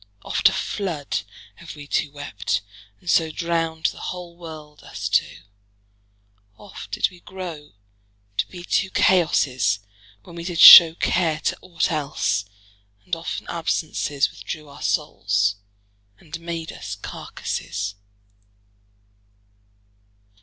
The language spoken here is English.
Oft a flood Have wee two wept, and so Drownd the whole world, us two; oft did we grow To be two Chaosses, when we did show Care to ought else; and often absences Withdrew our soules, and made us carcasses.